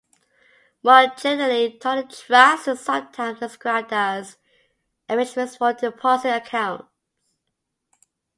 More generally, Totten trusts are sometimes described as Arrangements for deposit accounts.